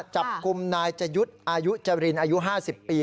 จับกลุ่มนายจยุทธ์อายุจรินอายุ๕๐ปี